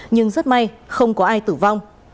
nhưng rất may không có ai tử vong